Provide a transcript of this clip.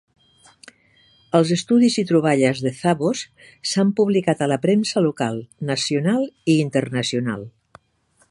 Els estudis i troballes de Zavos s'han publicat a la premsa local, nacional i internacional.